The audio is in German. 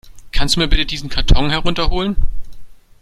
Kannst du mir bitte diesen Karton herunter holen?